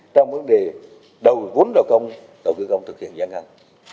trong vấn đề đầu vốn đầu công đầu cư công thực hiện giả ngăn